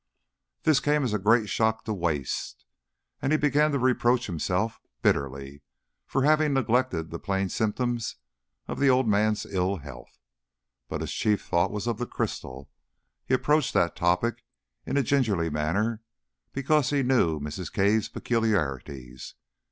This came as a great shock to Wace, and he began to reproach himself bitterly for having neglected the plain symptoms of the old man's ill health. But his chief thought was of the crystal. He approached that topic in a gingerly manner, because he knew Mrs. Cave's peculiarities.